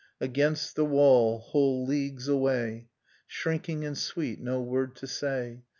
Against the vv^all, whole leagues av/ay, Shrinking and sweet, no word to say